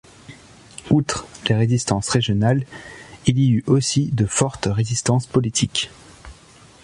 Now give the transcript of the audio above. Outre les résistances régionales, il y eut aussi de fortes résistances politiques.